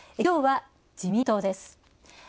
今日は自民党です。